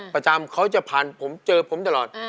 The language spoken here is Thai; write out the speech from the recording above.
ประจำเขาจะผ่านผมเจอผมตลอด